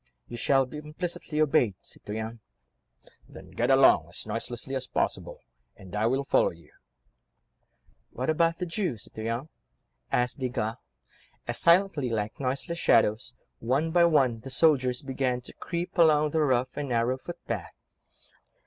"You shall be implicitly obeyed, citoyen." "Then get along as noiselessly as possible, and I will follow you." "What about the Jew, citoyen?" asked Desgas, as silently like noiseless shadows, one by one the soldiers began to creep along the rough and narrow footpath.